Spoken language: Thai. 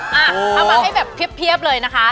เอามาให้แบบเพียบเลยนะคะ